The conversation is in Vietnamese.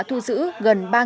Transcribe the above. thu giữ gần ba tỷ đồng